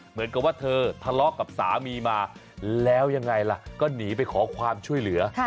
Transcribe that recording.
เหมือนกับว่าเธอทะเลาะกับสามีมาแล้วยังไงล่ะก็หนีไปขอความช่วยเหลือ